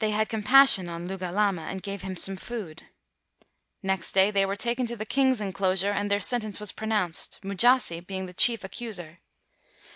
They had compassion on Luga lama and gave him some food. Next day they were taken to the king's enclosure and their sentence was pronounced, Mujasi be ing the chief accuser.